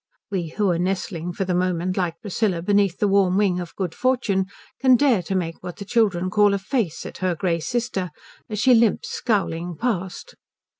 We who are nestling for the moment like Priscilla beneath the warm wing of Good Fortune can dare to make what the children call a face at her grey sister as she limps scowling past.